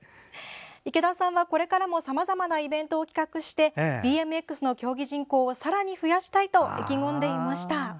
池田さんは、これからもさまざまなイベントを企画してＢＭＸの競技人口をさらに増やしたいと意気込んでいました。